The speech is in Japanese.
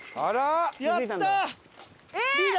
やったー！